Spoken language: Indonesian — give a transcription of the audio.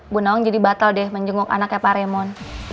bu naung jadi batal deh menjenguk anaknya pak remon